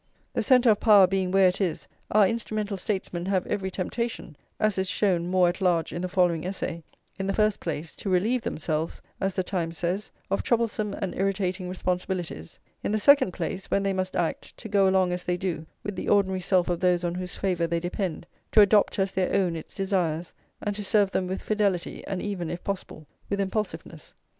The centre of power being where it is, our instrumental statesmen have every temptation, as is shown more at large in the following essay, in the first place, to "relieve themselves," as The Times says, "of troublesome and irritating responsibilities;" in the second place, when they must act, to go along, as they do, with the ordinary self of those on whose favour they depend, to adopt as their own its desires, and to serve them with fidelity, and even, if possible, with impulsiveness.